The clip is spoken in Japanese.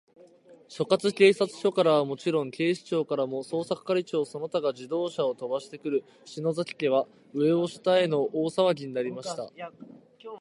所轄警察署からはもちろん、警視庁からも、捜査係長その他が自動車をとばしてくる、篠崎家は、上を下への大さわぎになりました。